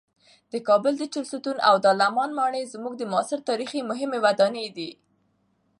د کابل د چهلستون او دارالامان ماڼۍ زموږ د معاصر تاریخ مهمې ودانۍ دي.